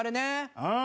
うん。